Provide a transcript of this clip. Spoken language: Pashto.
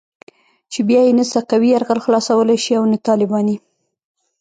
چې بيا يې نه سقوي يرغل خلاصولای شي او نه طالباني.